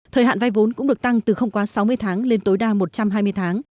thời hạn vay vốn cũng được tăng từ không quá sáu mươi tháng lên tối đa một trăm hai mươi tháng